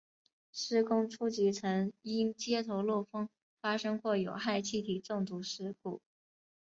施工初期曾因接头漏风发生过有害气体中毒事故。